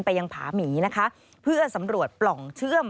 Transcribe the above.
ยังผาหมีนะคะเพื่อสำรวจปล่องเชื่อม